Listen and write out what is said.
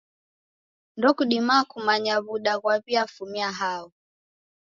Ndokudima kumanya w'uda ghwaw'iafumia hao.